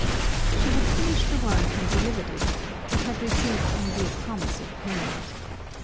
She had finished the work and delivered it but had received only a promise of payment.